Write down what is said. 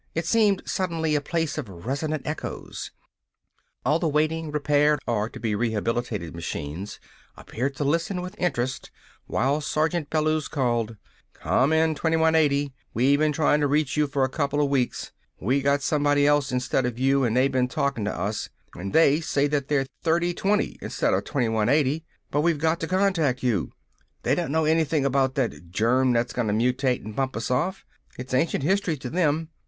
It seemed suddenly a place of resonant echoes. All the waiting, repaired, or to be rehabilitated machines appeared to listen with interest while Sergeant Bellews called: "Come in, 2180! We been trying to reach you for a coupla weeks! We got somebody else instead of you, and they been talkin' to us, and they say that they're 3020 instead of 2180, but we've got to contact you! They don't know anything about that germ that's gonna mutate and bump us off! It's ancient history to them.